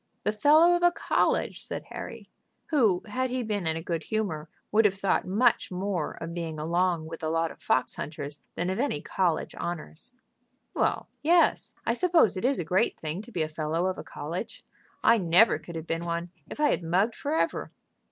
"The fellow of a college!" said Harry, who, had he been in a good humor, would have thought much more of being along with a lot of fox hunters than of any college honors. "Well, yes; I suppose it is a great thing to be a fellow of a college. I never could have been one if I had mugged forever."